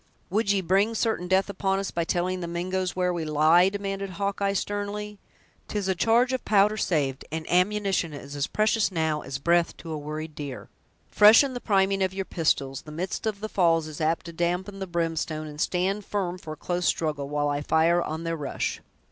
"Would ye bring certain death upon us, by telling the Mingoes where we lie?" demanded Hawkeye, sternly; "'Tis a charge of powder saved, and ammunition is as precious now as breath to a worried deer! Freshen the priming of your pistols—the midst of the falls is apt to dampen the brimstone—and stand firm for a close struggle, while I fire on their rush."